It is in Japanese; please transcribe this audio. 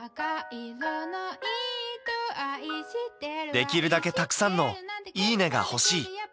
できるだけたくさんの「いいね！」が欲しい。